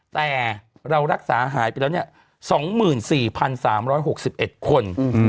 แต่เรารักษาหายไปแล้ว๒๔๓๖๑คน